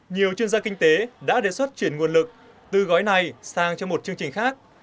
nhiều chuyên gia kinh tế đã đề xuất chuyển nguồn lực từ gói này sang cho một chương trình khác